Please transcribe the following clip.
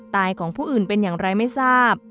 ของผู้อื่นเป็นอย่างไรไม่ทราบ